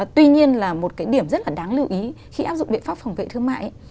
tuy nhiên là một cái điểm rất là đáng lưu ý khi áp dụng biện pháp phòng vệ thương mại